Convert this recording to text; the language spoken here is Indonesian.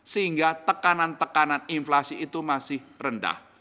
sehingga tekanan tekanan inflasi itu masih rendah